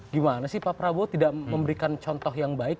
gimana sih pak prabowo tidak memberikan contoh yang baik